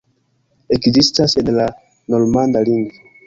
Ekzistas en la normanda lingvo.